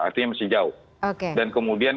artinya masih jauh dan kemudian